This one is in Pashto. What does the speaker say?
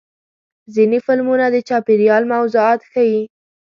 ځینې فلمونه د چاپېریال موضوعات ښیي.